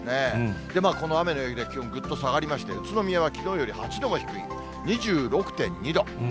この雨の影響でぐっと気温も下がりまして、宇都宮はきのうより８度も低い２６．２度。